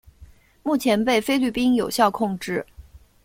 目前被菲律宾有效控制。